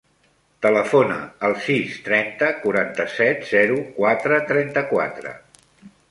Telefona al sis, trenta, quaranta-set, zero, quatre, trenta-quatre.